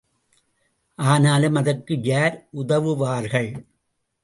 ஆனாலும், அதற்கு யார் உதவுவார்கள்?